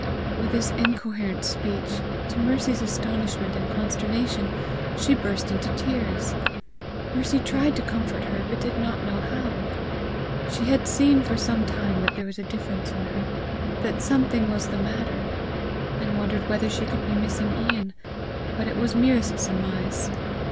With this incoherent speech, to Mercy's astonishment and consternation she burst into tears. Mercy tried to comfort her, but did not know how. She had seen for some time that there was a difference in her, that something was the matter, and wondered whether she could be missing Ian, but it was merest surmise.